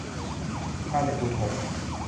กาในฝูงหงส์